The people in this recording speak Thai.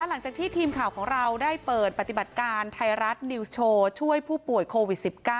หลังจากที่ทีมข่าวของเราได้เปิดปฏิบัติการไทยรัฐนิวส์โชว์ช่วยผู้ป่วยโควิด๑๙